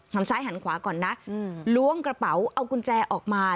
ซ้ายหันขวาก่อนนะล้วงกระเป๋าเอากุญแจออกมา